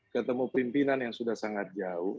ketemu pimpinan yang sudah sangat jauh